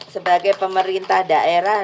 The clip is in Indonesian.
sebagai pemerintah daerah